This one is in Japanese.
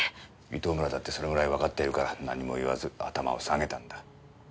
糸村だってそれぐらいわかっているから何も言わず頭を下げたんだ。